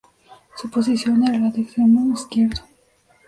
Su posición era la de extremo izquierdo.